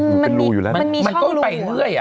มันเป็นรูอยู่แล้วมันก็ไปเรื่อย